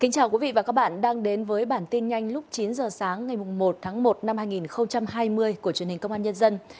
chào mừng quý vị đến với bản tin nhanh lúc chín giờ sáng ngày một tháng một năm hai nghìn hai mươi của truyền hình công an nhân dân